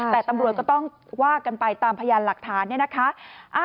แต่ตำรวจก็ต้องว่ากันไปตามพยานหลักฐานเนี่ยนะคะ